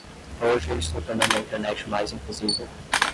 Hoje eu estou tornando a Internet mais inclusiva.